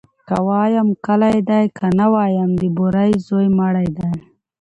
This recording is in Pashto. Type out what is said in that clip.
ـ که وايم کلى دى ، که نه وايم د بورې زوى مړى دى.